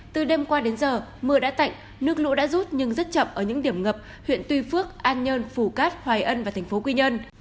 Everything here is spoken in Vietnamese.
từ đêm qua đến giờ mưa đã tạnh nước lũ đã rút nhưng rất chậm ở những điểm ngập huyện tuy phước an nhơn phủ cát hoài ân và tp quy nhân